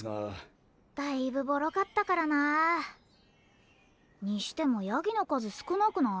だいぶボロかったからな。にしてもヤギのかずすくなくない？